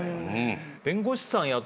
弁護士さん雇う